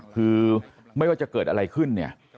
คือไม่ว่าจะเกิดอะไรขึ้น